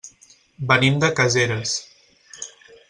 Venim de Caseres.